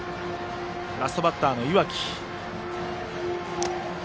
ラストバッター、岩城です。